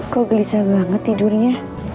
kok gelisah banget tidurnya